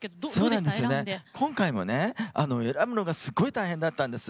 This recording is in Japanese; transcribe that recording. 今回も選ぶのがすごく大変だったんです。